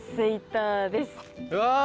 うわ！